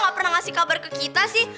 kasih kabar ke kita sih